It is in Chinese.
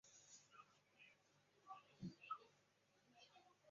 后来郭沫若很少再提及商代的母系制度和氏族社会。